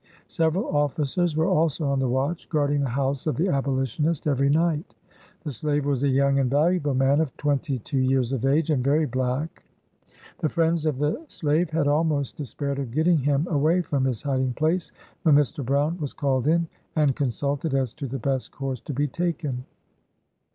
Several officers were also on the watch, guarding the house of the Abolitionist every night. The slave was a young and valuable man, of twenty two years of age, and very black. The friends of the slave had almost despaired of getting him away from his hiding place, when Mr. Brown was called in, and consulted as to the best course to be taken.